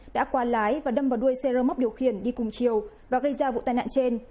đã qua lái và đâm vào đuôi xe rơ móc điều khiển đi cùng chiều và gây ra vụ tai nạn trên